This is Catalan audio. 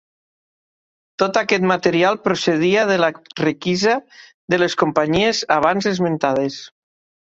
Tot aquest material procedia de la requisa de les companyies abans esmentades.